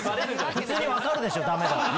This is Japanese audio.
普通に分かるでしょダメだって。